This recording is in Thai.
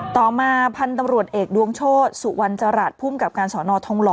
ต่อมาพันธุ์ตำรวจเอกดวงโชธสุวรรณจรัฐภูมิกับการสอนอทองหล่อ